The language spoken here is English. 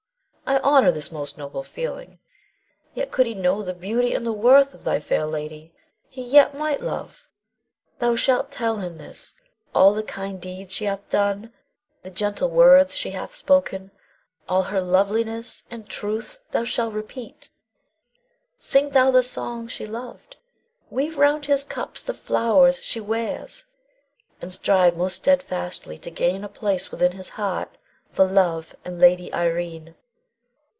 I honor this most noble feeling; yet could he know the beauty and the worth of thy fair lady, he yet might love. Thou shalt tell him this: all the kind deeds she hath done, the gentle words she hath spoken; all her loveliness and truth thou shalt repeat; sing thou the songs she loved; weave round his cups the flowers she wears; and strive most steadfastly to gain a place within his heart for love and Lady Irene.